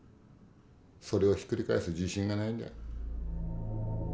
それをひっくり返す自信がないんだよ。